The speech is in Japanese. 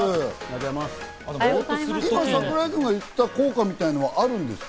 今、櫻井君が言った効果っていうのはあるんですか？